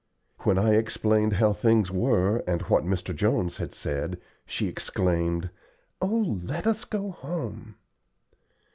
When I explained how things were and what Mr. Jones had said, she exclaimed, "Oh, let us go home."